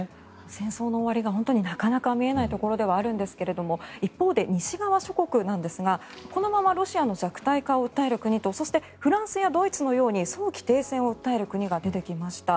戦争の終わりがなかなか見えないところではあるんですが一方で西側諸国なんですがこのままロシアの弱体化を訴える国とそして、フランスやドイツのように早期停戦を訴える国が出てきました。